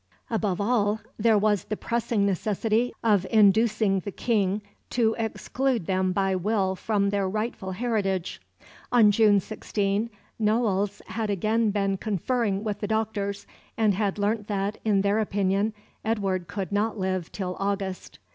Above all, there was the pressing necessity of inducing the King to exclude them by will from their rightful heritage. On June 16 Noailles had again been conferring with the doctors, and had learnt that, in their opinion, Edward could not live till August.